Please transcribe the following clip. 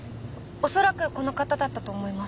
恐らくこの方だったと思います。